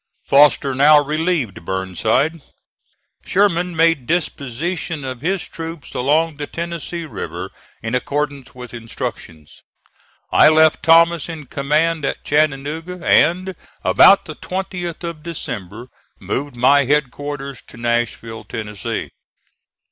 Foster now relieved Burnside. Sherman made disposition of his troops along the Tennessee River in accordance with instructions. I left Thomas in command at Chattanooga, and, about the 20th of December, moved my headquarters to Nashville, Tennessee.